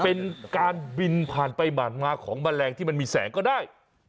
เป็นการบินผ่านไปผ่านมาของแมลงที่มันมีแสงก็ได้